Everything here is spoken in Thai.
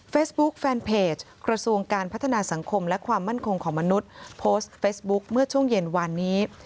แฟนเพจกระทรวงการพัฒนาสังคมและความมั่นคงของมนุษย์โพสต์เฟซบุ๊คเมื่อช่วงเย็นวานนี้